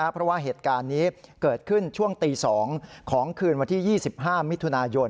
เพราะว่าเหตุการณ์นี้เกิดขึ้นช่วงตี๒ของคืนวันที่๒๕มิถุนายน